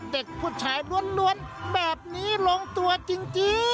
เด็กผู้ชายล้วนแบบนี้ลงตัวจริง